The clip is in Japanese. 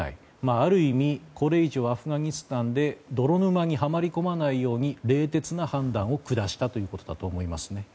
ある意味これ以上アフガニスタンで泥沼にはまり込まないように冷徹な判断を下したということだと思います。